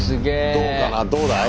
どうかなどうだい？